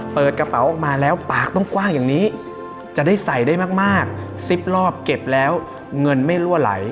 เปิดกระเป๋าออกมาแล้วปากต้องกว้างอย่างนี้จะได้ใส่ได้มาก๑๐รอบเก็บแล้วเงินไม่รั่วไหล